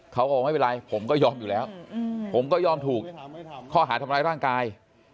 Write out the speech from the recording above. เขาบอกไม่เป็นไรผมก็ยอมอยู่แล้วผมก็ยอมถูกข้อหาทำร้ายร่างกาย